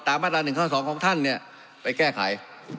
ตามมาตราหนึ่งข้อสองของท่านเนี่ยไปแก้ไข